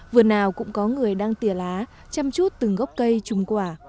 vườn nào cũng có người đang tỉa lá chăm chút từng gốc cây trùng quả